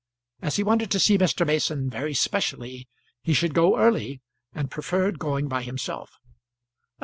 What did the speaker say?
As he wanted to see Mr. Mason very specially, he should go early, and preferred going by himself.